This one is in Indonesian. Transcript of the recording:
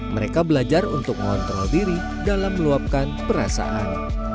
mereka belajar untuk mengontrol diri dalam meluapkan perasaan